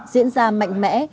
diễn ra mạnh mẽ